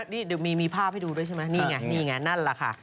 นี่มีภาพให้ดูด้วยใช่ไหมนี่ไงนั่นแหละค่ะ